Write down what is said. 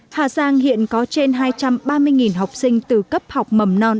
hà giang hiện có trên hai trăm ba mươi học sinh từ cấp học mầm non